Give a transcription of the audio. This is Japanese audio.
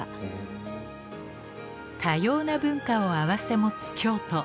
多様な文化を併せ持つ京都。